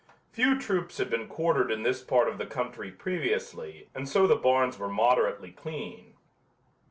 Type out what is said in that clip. Few troops had been quartered in this part of the country previously and so the barns were moderately clean.